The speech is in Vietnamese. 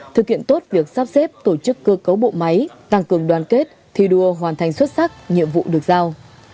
thực hiện tốt việc sắp xếp tổ chức cơ cấu bộ máy tăng cường đoàn kết thi đua hoàn thành xuất sắc nhiệm vụ được giao